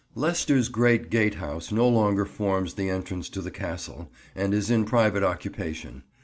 Leicester's great Gatehouse no longer forms the entrance to the Castle, and is in private occupation.